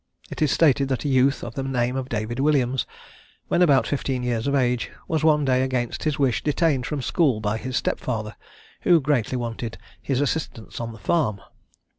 It is stated that a youth of the name of David Williams, when about fifteen years of age, was one day against his wish detained from school by his stepfather, who greatly wanted his assistance on the farm.